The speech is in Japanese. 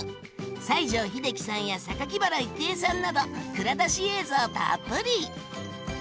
西城秀樹さんや原郁恵さんなど蔵出し映像たっぷり！